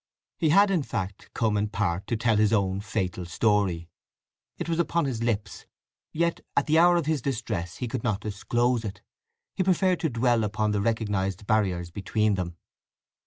He had, in fact, come in part to tell his own fatal story. It was upon his lips; yet at the hour of this distress he could not disclose it. He preferred to dwell upon the recognized barriers between them.